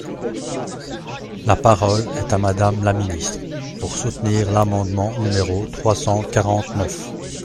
La parole est à Madame la ministre, pour soutenir l’amendement numéro trois cent quarante-neuf.